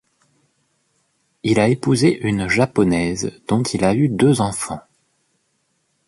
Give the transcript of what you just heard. Il a épousé une Japonaise dont il a eu deux enfants.